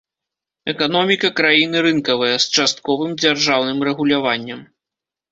Эканоміка краіны рынкавая, з частковым дзяржаўным рэгуляваннем.